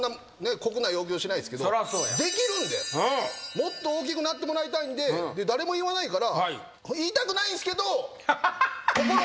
もっと大きくなってもらいたいんで誰も言わないから言いたくないんですけど。